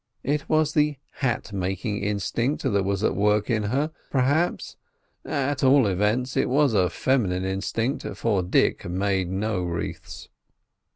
It was the hat making instinct that was at work in her, perhaps; at all events, it was a feminine instinct, for Dick made no wreaths.